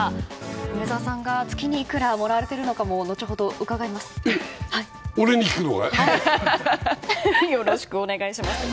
梅沢さんが月にいくらもらわれているのかも俺に聞くのかい？